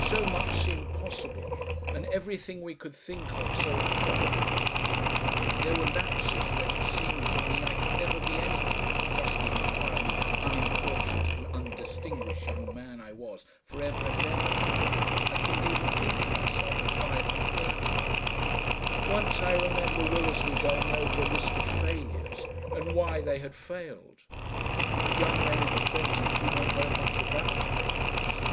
So much seemed possible, and everything we could think of so improbable. There were lapses when it seemed to me I could never be anything but just the entirely unimportant and undistinguished young man I was for ever and ever. I couldn't even think of myself as five and thirty. Once I remember Willersley going over a list of failures, and why they had failed but young men in the twenties do not know much about failures.